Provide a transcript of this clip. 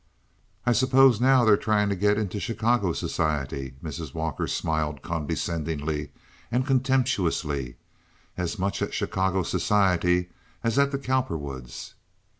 "I suppose now they're trying to get into Chicago society?" Mrs. Walker smiled condescendingly and contemptuously—as much at Chicago society as at the Cowperwoods.